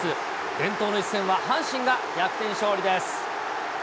伝統の一戦は、阪神が逆転勝利です。